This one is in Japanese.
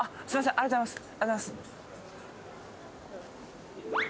ありがとうございます